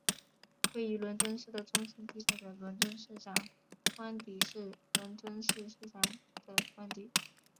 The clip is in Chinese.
位于伦敦市的中心地带的伦敦市长官邸是伦敦市市长的官邸。